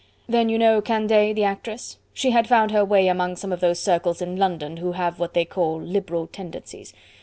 Then you know Candeille, the actress? She had found her way among some of those circles in London who have what they call liberal tendencies.